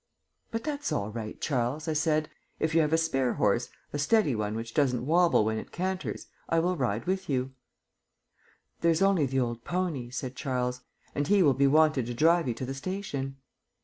"But that's all right, Charles," I said. "If you have a spare horse, a steady one which doesn't wobble when it canters, I will ride with you." "There's only the old pony," said Charles, "and he will be wanted to drive you to the station."